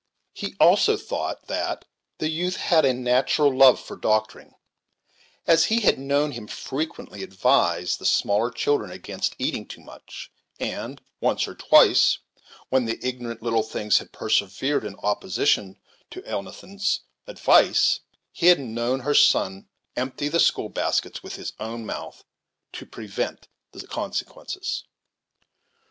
He also thought that "the youth had a natural love for doctoring, as he had known him frequently advise the smaller children against eating to much; and, once or twice, when the ignorant little things had persevered in opposition to Elnathan's advice, he had known her son empty the school baskets with his own mouth, to prevent the consequences."